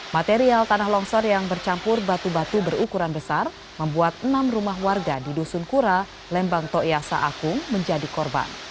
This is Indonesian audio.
material tanah longsor yang bercampur batu batu berukuran besar membuat enam rumah warga di dusun kura lembang toyasa aku menjadi korban